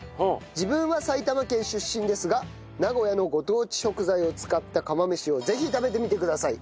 自分は埼玉県出身ですが名古屋のご当地食材を使った釜飯をぜひ食べてみてください。